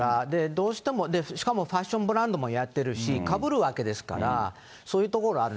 どうしても、しかもファッションブランドもやってるし、かぶるわけですから、そういうところがある。